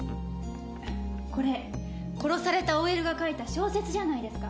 これ殺されたＯＬが書いた小説じゃないですか！？